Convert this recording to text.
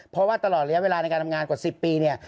เพราะว่าตลอดระยะเวลาในการทำงานกว่า๑๐ปีเนี่ย